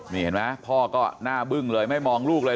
นี่เห็นไหมพ่อก็หน้าบึ้งเลยไม่มองลูกเลย